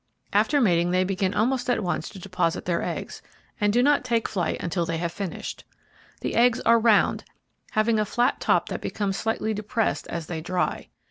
After mating they begin almost at once to deposit their eggs, and do not take flight until they have finished. The eggs are round, having a flat top that becomes slightly depressed as they dry.